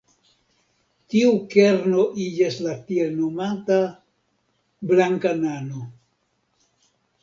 Tiu kerno iĝas la tiel nomata "blanka nano".